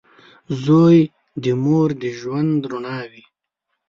• زوی د مور د ژوند رڼا وي.